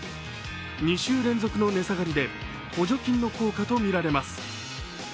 ２週連続の値下がりで、補助金の効果とみられます。